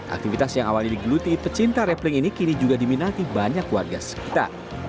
aktivitas yang awalnya digeluti pecinta rappling ini kini juga diminati banyak warga sekitar